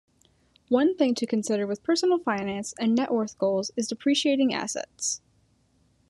One thing to consider with personal finance and net worth goals is depreciating assets.